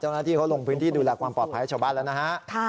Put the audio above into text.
เจ้าหน้าที่เขาลงพื้นที่ดูแลความปลอดภัยให้ชาวบ้านแล้วนะฮะ